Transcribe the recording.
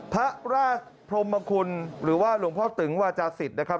พระราชพรมคุณหรือว่าหลวงพ่อตึงวาจาศิษย์นะครับ